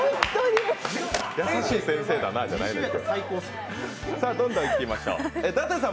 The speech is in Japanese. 優しい先生だなじゃないのよ。